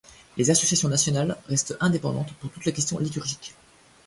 Les associations nationales restent indépendantes pour toutes les questions liturgiques.